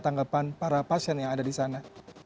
tanggapan para pasien yang ada di sana